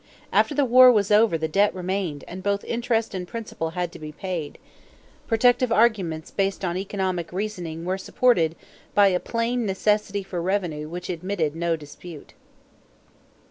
After the war was over the debt remained and both interest and principal had to be paid. Protective arguments based on economic reasoning were supported by a plain necessity for revenue which admitted no dispute.